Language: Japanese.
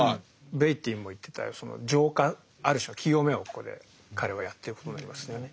ベイティーも言ってたその浄化ある種の清めをここで彼はやってることになりますよね。